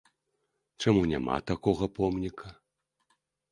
Чаму няма такога помніка?